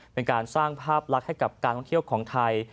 เป็นการสร้างภาพลักษณ์ให้กับการท่องเที่ยวของไทย